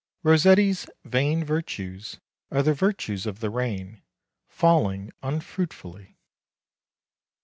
Rossetti's "vain virtues" are the virtues of the rain, falling unfruitfully.